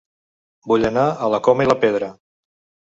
Vull anar a La Coma i la Pedra